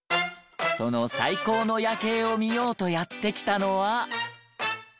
その最高の夜景を見ようとやって来たのは。